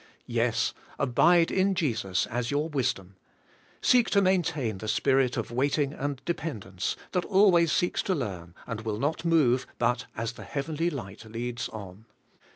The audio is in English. Yes, abide in Jesus as your wisdom. Seek to maintain the spirit of waiting and dependence, that 64 ABIDE IN CHRIST: always seeks to learn, and will not move but as the heavenly light leads on.